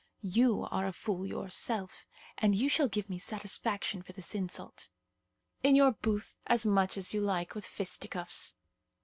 "You are a fool yourself, and you shall give me satisfaction for this insult." "In your booth as much as you like, with fisticuffs."